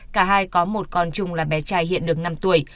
cả hai có một con chung là bé trai hiện được năm tuổi